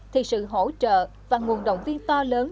thì sự hỗ trợ và nguồn động viên to lớn